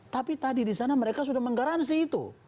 tapi tadi di sana mereka sudah menggaransi itu